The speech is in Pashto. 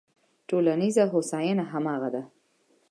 ټولنیزه هوساینه همغه ده.